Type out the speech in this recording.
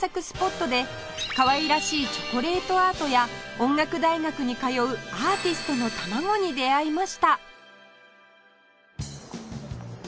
スポットでかわいらしいチョコレートアートや音楽大学に通うアーティストの卵に出会いました